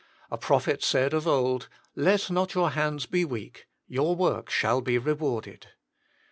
A prophet said of old: "Let not your hands be weak ; your work shall be rewarded."